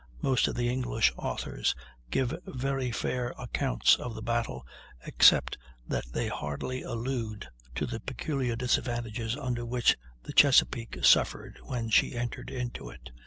Most of the English authors give very fair accounts of the battle, except that they hardly allude to the peculiar disadvantages under which the Chesapeake suffered when she entered into it.